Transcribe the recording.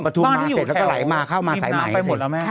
ประทุมมาเสร็จแล้วก็ไหลมาเข้ามาสายไหม